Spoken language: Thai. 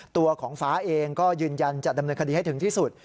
ตัวของฟ้าเองก็ยืนยันจะดำเนินคดีให้ถึงที่สุด